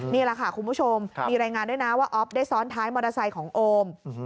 นี่แหละค่ะคุณผู้ชมมีรายงานด้วยนะว่าออฟได้ซ้อนท้ายมอเตอร์ไซค์ของโอม